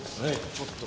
ちょっと。